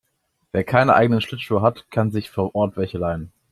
Wer keine eigenen Schlittschuhe hat, kann sich vor Ort welche leihen.